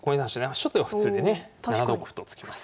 初手は普通でね７六歩と突きます。